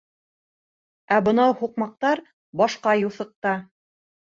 Ә бынау һуҡмаҡтар — башҡа юҫыҡта.